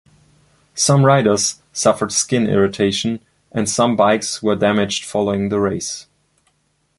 Some riders suffered skin irritation and some bikes were damaged following the race.